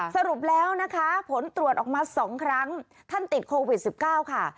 สรุปแล้วนะคะผลตรวจออกมา๒ครั้งท่านติดโควิด๑๙ค่ะ